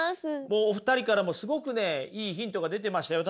もうお二人からもすごくねいいヒントが出てましたよ。